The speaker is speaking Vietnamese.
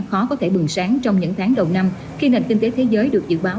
khó có thể bừng sáng trong những tháng đầu năm khi nền kinh tế thế giới được dự báo